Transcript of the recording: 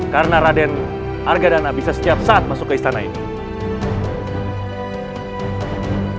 karena raden argadana bisa setiap saat masuk ke istana ini